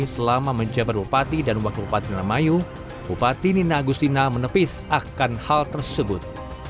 sama menjabat upati dan wakil lumpati indramayu upati nina agustina menepis akan hal tersebut